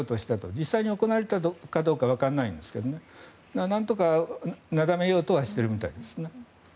実際に行われたかどうかはわからないんですがなんとか、なだめようとはしているみたいです。